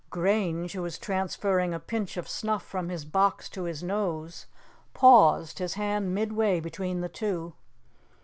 Grange, who was transferring a pinch of snuff from his box to his nose, paused, his hand midway way between the two.